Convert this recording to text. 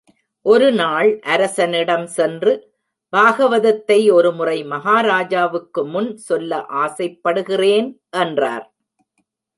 ஒரு நாள் அரசனிடம் சென்று, பாகவதத்தை ஒரு முறை மகாராஜாவுக்கு முன் சொல்ல ஆசைப்படுகிறேன் என்றார்.